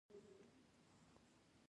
ولایتونه د خلکو له اعتقاداتو سره تړاو لري.